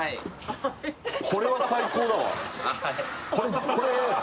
これは最高だわ